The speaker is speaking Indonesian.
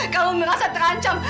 kamu merasa terancam